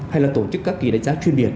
hay là tổ chức các kỳ đánh giá chuyên biệt